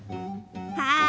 はい。